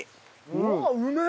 うわっうめえ！